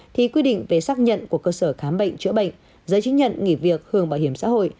thì quy định về xác nhận của cơ sở khám bệnh chữa bệnh giấy chứng nhận nghỉ việc hưởng bảo hiểm xã hội